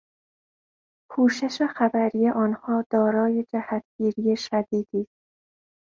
پوشش خبری آنها دارای جهتگیری شدیدی است.